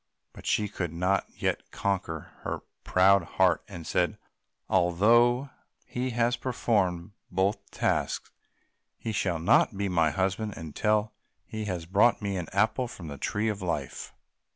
But she could not yet conquer her proud heart, and said, "Although he has performed both the tasks, he shall not be my husband until he has brought me an apple from the Tree of Life."